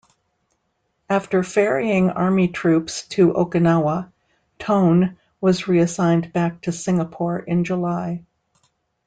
After ferrying army troops to Okinawa, "Tone" was reassigned back to Singapore in July.